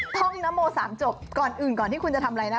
ท่องนโม๓จบก่อนอื่นก่อนที่คุณจะทำอะไรนะ